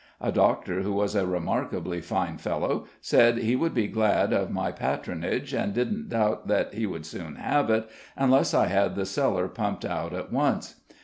A doctor, who was a remarkably fine fellow, said he would be glad of my patronage, and didn't doubt that he would soon have it, unless I had the cellar pumped out at once.